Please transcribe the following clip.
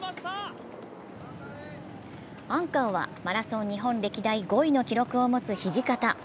アンカーはマラソン日本歴代５位の記録を持つ土方。